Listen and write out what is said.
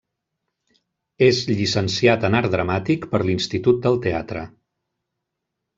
És llicenciat en art dramàtic per l'Institut del Teatre.